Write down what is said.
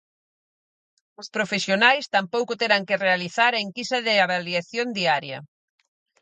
Os profesionais tampouco terán que realizar a enquisa de avaliación diaria.